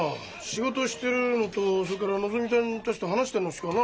仕事してるのとそれからのぞみちゃんたちと話してるのしかな